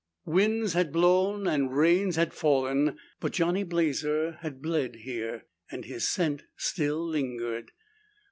Winds had blown and rains had fallen, but Johnny Blazer had bled here and his scent still lingered.